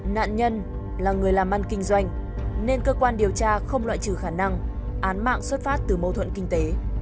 nạn nhân là người làm ăn kinh doanh nên cơ quan điều tra không loại trừ khả năng án mạng xuất phát từ mâu thuận kinh tế